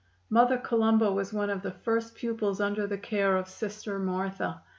Mother Columba was one of the first pupils under the care of Sister Martha.